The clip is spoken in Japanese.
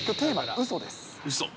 うそ？